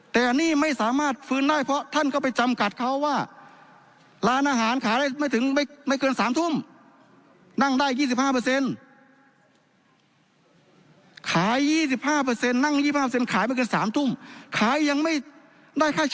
แต่นี่ไม่สามารถฟื้นได้เพราะท่านก็ไปจำกัดเขาว่าร้านอาหารขายได้ไม่ถึงไม่